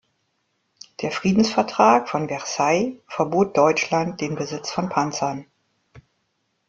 Der Friedensvertrag von Versailles verbot Deutschland den Besitz von Panzern.